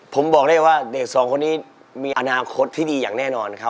ผมบอกได้ว่าเด็กสองคนนี้มีอนาคตที่ดีอย่างแน่นอนครับ